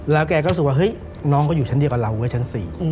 แล้วแกก็รู้สึกว่าน้องก็อยู่ทั้งเดียวกับเราก็ชั้น๔